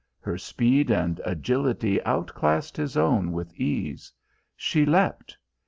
Her speed and agility out classed his own with ease. She leapt.